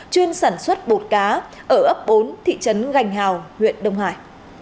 chuyên sản xuất bột cá ở ấp bốn thị trấn gành hào huyện đông hải